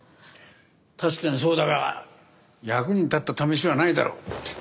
確かにそうだが役に立った試しはないだろう。